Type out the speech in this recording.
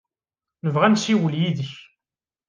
Nebɣa ad nessiwel yid-k.